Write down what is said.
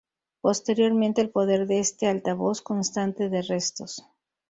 Posteriormente el poder de este altavoz constante de restos.